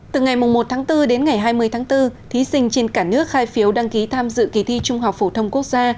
từ ngày một tháng bốn đến ngày hai mươi tháng bốn thí sinh trên cả nước khai phiếu đăng ký tham dự kỳ thi trung học phổ thông quốc gia